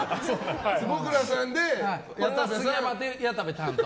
坪倉さんで俺は杉山と谷田部担当。